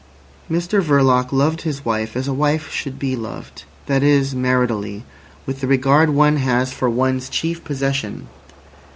Mr Verloc loved his wife as a wife should be loved—that is, maritally, with the regard one has for one's chief possession.